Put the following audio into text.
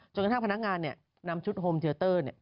จนถ้าง่างพนักงานเนี่ยนำชุดโฮมเทียเตอร์เนี่ย